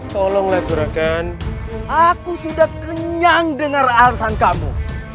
tolonglah surahkan aku sudah kenyang dengar alasan kamu